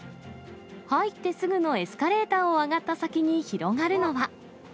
入ってすぐのエスカレーターを上がった先に広がるのは。